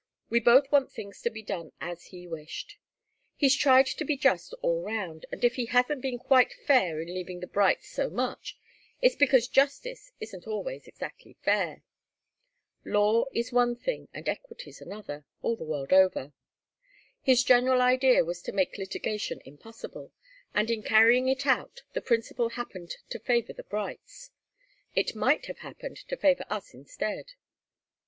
We both want things to be done as he wished. He's tried to be just all round, and if he hasn't been quite fair in leaving the Brights so much, it's because justice isn't always exactly fair. Law is one thing and equity's another, all the world over. His general idea was to make litigation impossible, and in carrying it out the principle happened to favour the Brights. It might have happened to favour us instead."